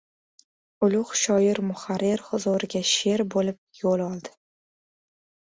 Ulug‘ shoir muharrir huzuriga sher bo‘lib yo‘l oldi.